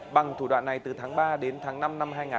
bằng thủ đoạn này từ tháng ba đến tháng năm năm hai nghìn hai mươi